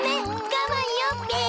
がまんよべ！